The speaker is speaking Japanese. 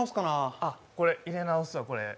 あっ、これ入れ直すわこれ。